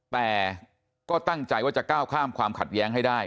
แต่ก็ตั้งใจว่าจะก้าวข้ามความขัดแย้งให้ได้